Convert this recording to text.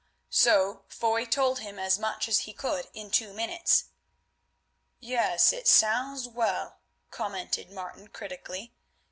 So Foy told him as much as he could in two minutes. "Yes, it sounds well," commented Martin, critically.